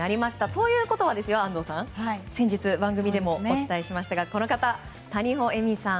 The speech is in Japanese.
ということは先日、番組でもお伝えしましたがこの方、谷保恵美さん